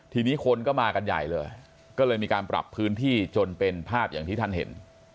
ทีนี้คนก็มากันใหญ่เลยก็เลยมีการปรับพื้นที่จนเป็นภาพอย่างที่ท่านเห็น